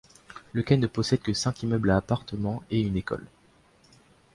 Le quai ne possède que cinq immeubles à appartements et une école.